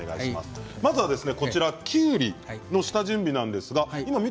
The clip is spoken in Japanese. きゅうりの下準備です。